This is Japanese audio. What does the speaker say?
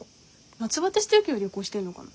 夏バテしてるけど旅行してんのかな。